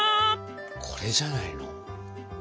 これじゃないの？